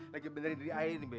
lagi benerin dari air nih be